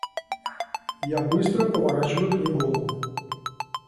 Я быстро поворачиваю к ней голову.